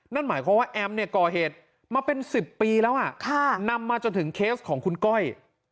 นั่นหมายความว่าแอมเนี่ยก่อเหตุมาเป็น๑๐ปีแล้วนำมาจนถึงเคสของคุณก้อย